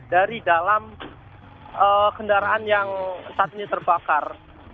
dari dalam kendaraan yang saat ini terbakar